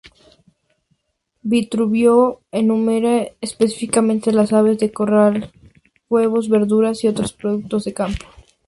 Vitruvio enumera específicamente "las aves de corral, huevos, verduras y otros productos del campo".